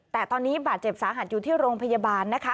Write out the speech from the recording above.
แต่ตอนนี้บาดเจ็บสาหัสอยู่ที่โรงพยาบาลนะคะ